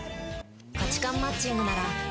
価値観マッチングなら。